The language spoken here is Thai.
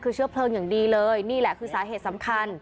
คือเชื้อเพลิงอย่างดีเลยนี่แหละคือสาเหตุสำคัญ